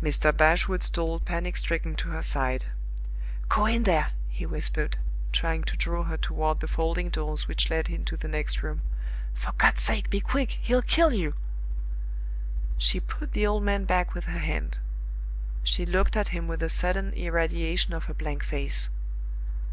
Mr. Bashwood stole panic stricken to her side. "Go in there!" he whispered, trying to draw her toward the folding doors which led into the next room. "For God's sake, be quick! He'll kill you!" She put the old man back with her hand. She looked at him with a sudden irradiation of her blank face.